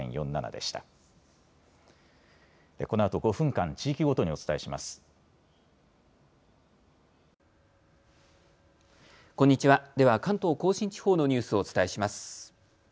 では関東甲信地方のニュースをお伝えします。